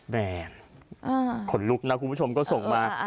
แม่ขนลุกนะคุณผู้ชมก็ส่งมา